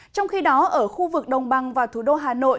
trong khi đó ở khu vực đồng bằng và thủ đô hà nội